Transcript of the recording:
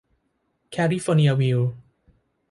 แคลิฟอร์เนียวิลล์